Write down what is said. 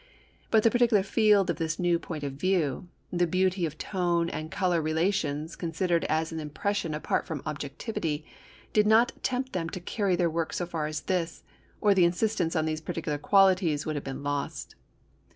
But the particular field of this new point of view, the beauty of tone and colour relations considered as an impression apart from objectivity, did not tempt them to carry their work so far as this, or the insistence on these particular qualities would have been lost.